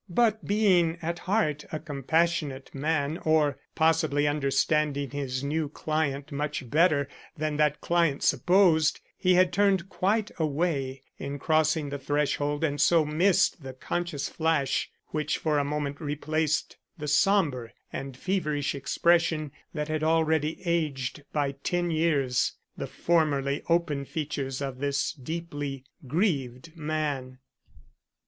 But being at heart a compassionate man, or possibly understanding his new client much better than that client supposed, he had turned quite away in crossing the threshold, and so missed the conscious flash which for a moment replaced the somber and feverish expression that had already aged by ten years the formerly open features of this deeply grieved man.